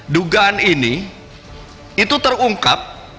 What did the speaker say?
dugaan ini itu terungkap